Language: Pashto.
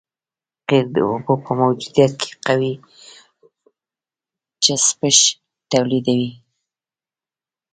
قیر د اوبو په موجودیت کې قوي چسپش تولیدوي